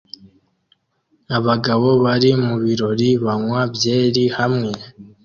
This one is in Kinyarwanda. Abagabo bari mu birori banywa byeri hamwe